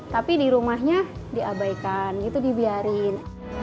tapi di rumahnya diabaikan itu dibiarin